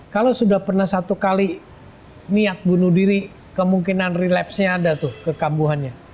kalau sudah pernah satu kali niat bunuh diri kemungkinan relapse nya ada tuh kekambuhannya